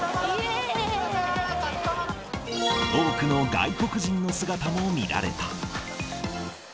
多くの外国人の姿も見られた。